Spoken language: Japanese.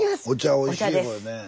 お茶おいしいこれね。